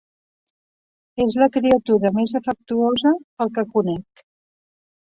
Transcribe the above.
És la criatura més afectuosa, pel que conec.